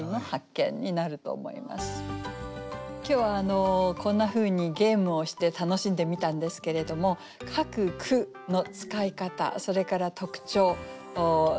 それも今日はこんなふうにゲームをして楽しんでみたんですけれども各句の使い方それから特徴流れ